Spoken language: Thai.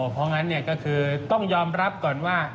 เพราะงั้นก็คือต้องยอมรับก่อนว่า